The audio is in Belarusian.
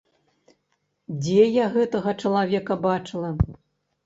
Дзе я гэтага чалавека бачыла?